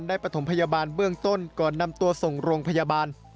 ปฐมพยาบาลเบื้องต้นก่อนนำตัวส่งโรงพยาบาล